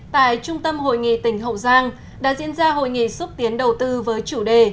tại trung tâm hội nghị tỉnh hậu giang đã diễn ra hội nghị xúc tiến đầu tư với chủ đề